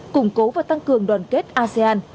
củng cố và tăng cường đoàn kết asean